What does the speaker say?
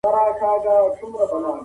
که درناوی سوی وي نو بې اتفاقي نه وي.